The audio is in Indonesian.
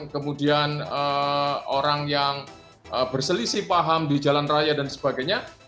kemudian orang yang berselisih paham di jalan raya dan sebagainya